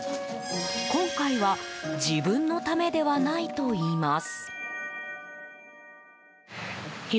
今回は自分のためではないといいます。